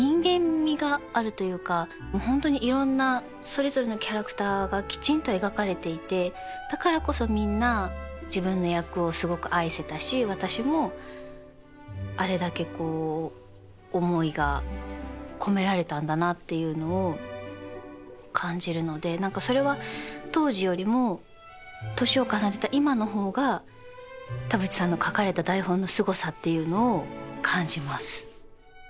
本当にいろんなそれぞれのキャラクターがきちんと描かれていてだからこそみんな自分の役をすごく愛せたし私もあれだけこう思いが込められたんだなっていうのを感じるので何かそれは当時よりも年を重ねた今の方が田渕さんの書かれた台本のすごさっていうのを感じます。